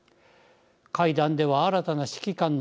会談では新たな指揮官の下